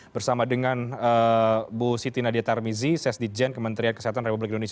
bersama dengan bu siti nadia tarmizi sesdijen kementerian kesehatan republik indonesia